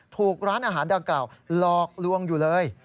ถูกร้านอาหารดังกล่าวหลอกลวงอยู่เลย